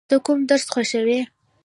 ته کوم درس خوښوې؟